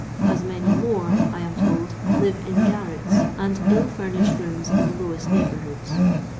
As many more, I am told, live in garrets and ill furnished rooms in the lowest neighbourhoods.